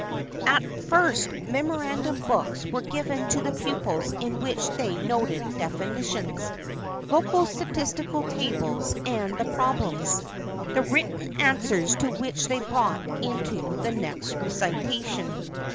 At first memorandum books were given to the pupils in which they noted definitions, local statistical tables and the problems, the written answers to which they brought into the next recitation.